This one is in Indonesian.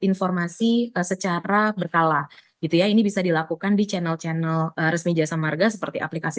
informasi secara berkala gitu ya ini bisa dilakukan di channel channel resmi jasa marga seperti aplikasi